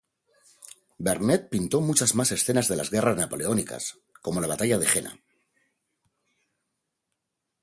Vernet pintó muchas más escenas de las Guerras Napoleónicas, como la Batalla de Jena.